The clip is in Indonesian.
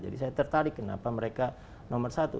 jadi saya tertarik kenapa mereka nomor satu